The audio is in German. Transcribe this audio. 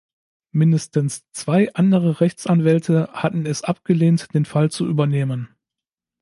Mindestens zwei andere Rechtsanwälte hatten es abgelehnt, den Fall zu übernehmen.